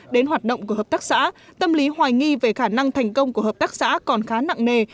đến hoạt động của hợp tác xã tâm lý hoài nghi về khả năng thành công của hợp tác xã còn khá nặng nề